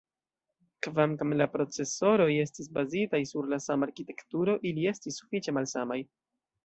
Kvankam la procesoroj estis bazitaj sur la sama arkitekturo ili estis sufiĉe malsamaj.